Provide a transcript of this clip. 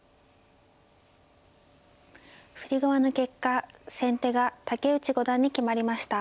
振り駒の結果先手が竹内五段に決まりました。